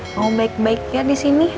mau baik baik ya disini